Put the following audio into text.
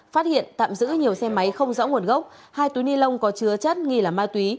phát hiện tạm giữ nhiều xe máy không rõ nguồn gốc hai túi ni lông có chứa chất nghi là ma túy